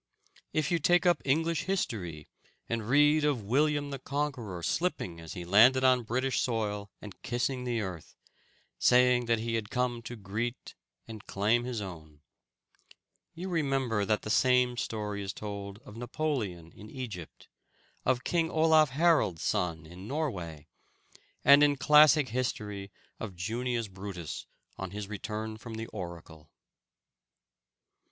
If you take up English history, and read of William the Conqueror slipping as he landed on British soil, and kissing the earth, saying he had come to greet and claim his own, you remember that the same story is told of Napoleon in Egypt, of King Olaf Harold's son in Norway, and in classic history of Junius Brutus on his return from the oracle.